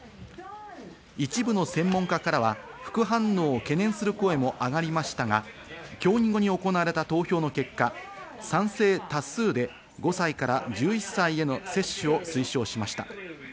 一部の専門家からは副反応を懸念する声も上がりましたが、協議後に行われた投票の結果、賛成多数で５歳から１１歳の接種を推奨しました。